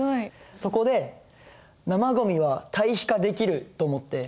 そこで「生ゴミは堆肥化できる」と思って。